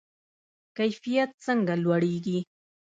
کیفیت څنګه لوړیږي؟